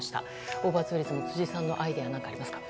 オーバーツーリズム辻さんのアイデアは何かありますか？